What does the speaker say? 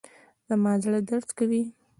زما زړه درد کوي